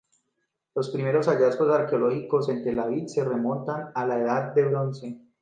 Los primeros hallazgos arqueológicos en Telavi se remontan a la Edad del Bronce.